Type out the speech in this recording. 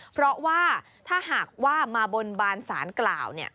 เพราะว่าถ้าหากว่ามาบนบานสารกล่าว